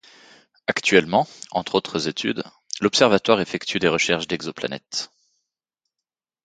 Actuellement, entre autres études, l'observatoire effectue des recherches d'exoplanètes.